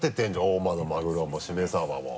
大間のマグロもしめさばも。